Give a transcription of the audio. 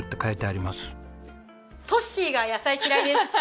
トッシーが野菜嫌いです。